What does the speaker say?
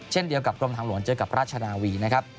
เช่นเดียวกับกรมทางหลวงเจอกับราชนาวีนะครับ